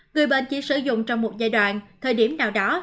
người bệnh chỉ sử dụng trong một giai đoạn thời điểm nào đó